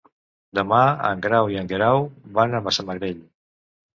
Demà en Grau i en Guerau van a Massamagrell.